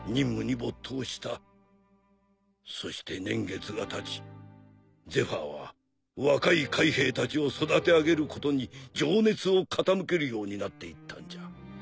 そして年月がたちゼファーは若い海兵たちを育て上げることに情熱を傾けるようになっていったんじゃ。